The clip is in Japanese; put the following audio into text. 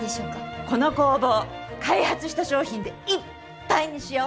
この工房開発した商品でいっぱいにしよう。